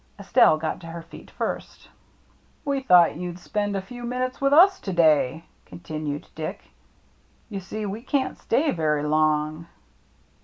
Estelle got to her feet first. " We thought maybe you'd spend a few minutes with us to day," continued Dick. "You see we can't stay very long."